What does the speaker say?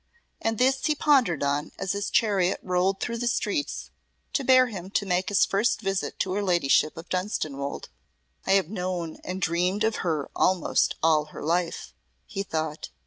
And this he pondered on as his chariot rolled through the streets to bear him to make his first visit to her ladyship of Dunstanwolde. "I have known and dreamed of her almost all her life," he thought.